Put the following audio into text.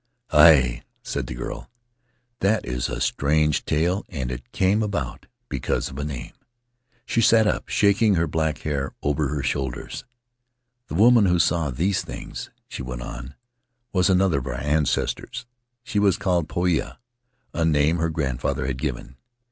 "A ue^ said the girl; "that is a strange tale, and it came about because of a name." She sat up, shaking the hair back over her shoulders. "The woman who saw these things," she went on, "was another of our ancestors. She was called Poia, a name her grandfather had given.